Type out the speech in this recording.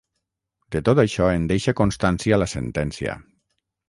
De tot això en deixa constància la sentència.